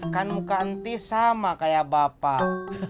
kan muka enti sama kayak bapak